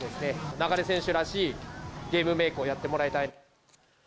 流選手らしいゲームメークをやってもらいたい。